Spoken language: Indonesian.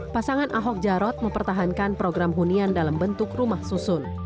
pasangan ahok jarot mempertahankan program hunian dalam bentuk rumah susun